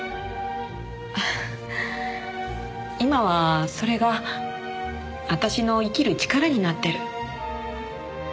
今はそれが私の生きる力になってる。